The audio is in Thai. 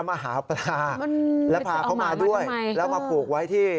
มาหาปลาแล้วพาเขามาด้วยแล้วมาผูกไว้ที่